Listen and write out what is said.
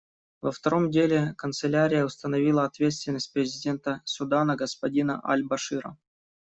Во втором деле Канцелярия установила ответственность президента Судана господина аль-Башира.